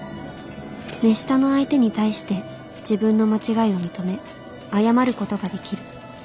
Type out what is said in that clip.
目下の相手に対して自分の間違いを認め謝ることができる。